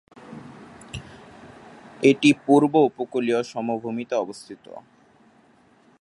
এটি পূর্ব উপকূলীয় সমভূমিতে অবস্থিত।